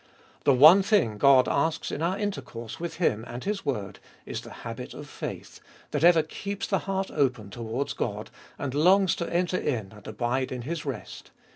The one thing God asks in our intercourse with Him and His word is the habit of faith, that ever keeps the heart open towards God, and longs to enter in and abide in His rest.